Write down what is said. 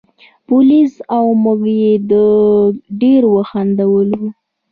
پولیس او موږ یې ډېر وخندولو.